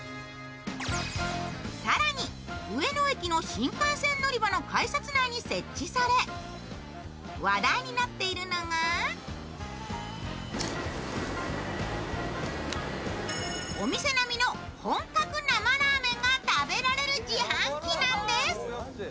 更に、上野駅の新幹線乗り場の改札内に設置され話題になっているのがお店並みの本格生ラーメンが食べられる自販機なんです。